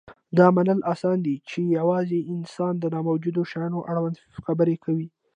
دا منل اسان دي، چې یواځې انسان د نه موجودو شیانو اړوند خبرې کوي.